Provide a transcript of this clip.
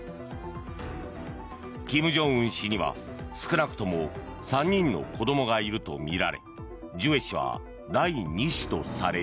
金正恩氏には少なくとも３人の子どもがいるとみられジュエ氏は第２子とされる。